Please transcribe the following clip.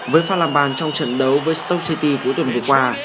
với pha làm bàn trong trận đấu với stock city cuối tuần vừa qua